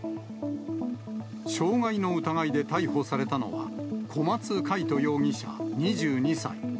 傷害の疑いで逮捕されたのは、小松魁人容疑者２２歳。